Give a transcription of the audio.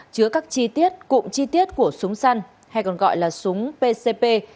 chứa các chi tiết cụm chi tiết của súng săn hay còn gọi là súng pcp